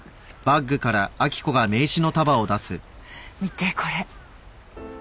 見てこれ。